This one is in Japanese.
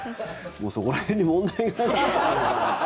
そこら辺に問題がある。